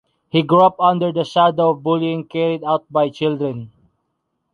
He grew up under the shadow of bullying carried out by children.